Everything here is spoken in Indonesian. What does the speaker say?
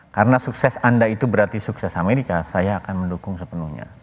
karena sukses anda itu berarti sukses amerika saya akan mendukung sepenuhnya